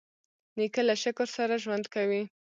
نیکه له شکر سره ژوند کوي.